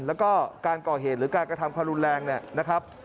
แล้วก็การก่อเหตุหรือการกระทำพรุนแรงนะครับ